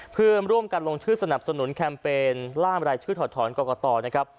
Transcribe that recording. เพื่อร่วมกันลงชื่อสนับสนุนแคมเปญล่ามรายชื่อถอดถอนกรกตนะครับ